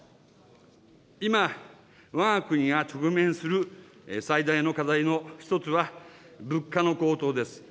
今、わが国が直面する最大の課題の一つは、物価の高騰です。